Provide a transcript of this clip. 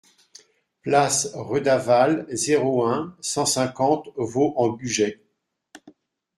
Place Redavalle, zéro un, cent cinquante Vaux-en-Bugey